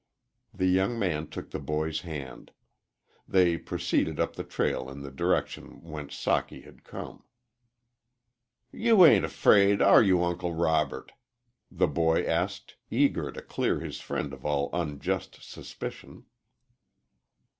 The young man took the boy's hand. They proceeded up the trail in the direction whence Socky had come. "You ain't'fraid, are you, Uncle Robert?" the boy asked, eager to clear his friend of all unjust suspicion.